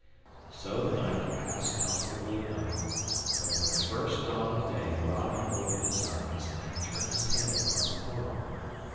So the night passed comfortably enough, but at the first dawn of day Robin opened his eyes and turned his head upon the pillow.